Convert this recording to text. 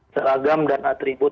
seagam dan atribut